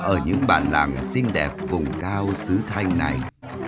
ở những bản làng xinh đẹp vùng cao xứ thanh này